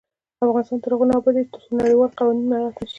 افغانستان تر هغو نه ابادیږي، ترڅو نړیوال قوانین مراعت نشي.